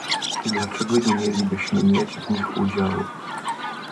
Dlaczego nie mielibyśmy mieć w nich udziału?